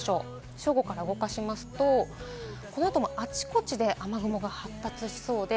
正午から動かすと、この後もあちこちで雨雲が発達しそうです。